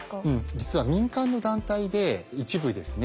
実は民間の団体で一部ですね